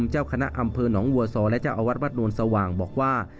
เจ้าคณะอำเภอนองค์วัวซอร์และเจ้าอวัดวัดโนรสว่างบอกว่า